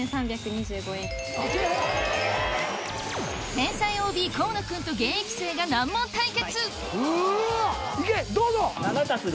天才ＯＢ河野君と現役生が難問対決！